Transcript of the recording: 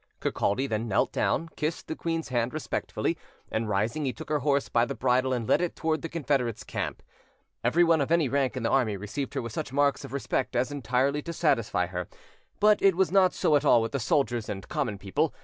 Kirkcaldy then knelt down, kissed, the queen's hand respectfully; and, rising, he took her horse by the bridle and led it towards the Confederates' camp. Everyone of any rank in the army received her with such marks of respect as entirely to satisfy her; but it was not so at all with the soldiers and common people.